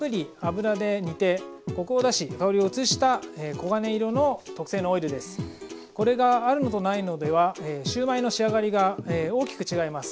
これがあるのとないのではシューマイの仕上がりが大きく違います。